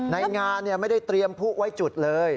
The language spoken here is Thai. ในงานไม่ได้เตรียมผู้ไว้จุดเลย